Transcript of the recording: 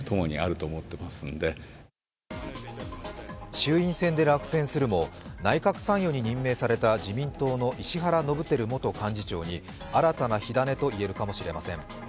衆院選で落選するも内閣参与に任命された自民党の石原伸晃元幹事長に新たな火種と言えるかもしれません。